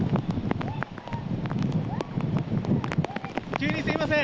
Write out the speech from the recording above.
急にすみません。